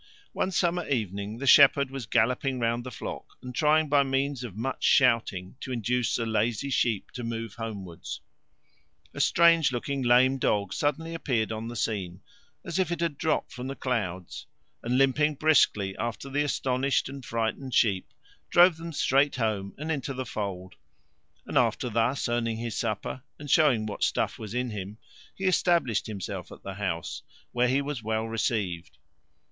One summer evening the shepherd was galloping round the flock, and trying by means of much shouting to induce the lazy sheep to move homewards. A strange looking lame dog suddenly appeared on the scene, as if it had dropped from the clouds, and limping briskly after the astonished and frightened sheep, drove them straight home and into the fold; and, after thus earning his supper and showing what stuff was in him, he established himself at the house, where he was well received.